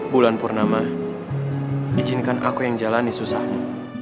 bulan purnama izinkan aku yang jalani susahmu